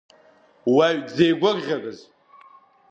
Уаҩ дзеигәырӷьарыз…